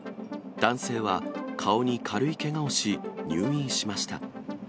男性は、顔に軽いけがをし、入院しました。